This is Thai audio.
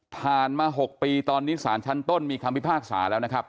ผ่านมา๖ปีตอนนี้สารชั้นต้นมีคำพิพากษาแล้วนะครับ